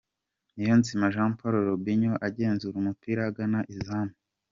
Niyonzima Jean Paul Robinho agenzura umupira agana izamu.